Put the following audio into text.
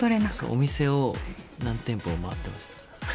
お店を、何店舗も回ってました。